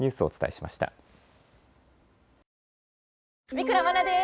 三倉茉奈です。